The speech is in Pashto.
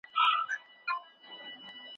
پلار نیکه مي دا تخمونه دي کرلي